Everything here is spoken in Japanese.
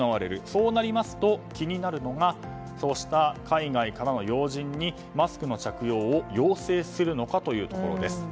そうなりますと、気になるのがそうした海外からの要人にマスクの着用を要請するのかというところです。